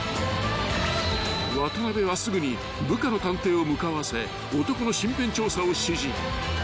［渡邉はすぐに部下の探偵を向かわせ男の身辺調査を指示］